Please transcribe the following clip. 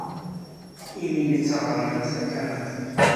Emily d taɣermant takanadit.